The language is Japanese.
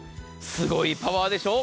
すごいパワーでしょう。